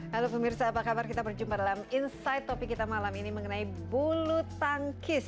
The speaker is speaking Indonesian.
halo pemirsa apa kabar kita berjumpa dalam insight topik kita malam ini mengenai bulu tangkis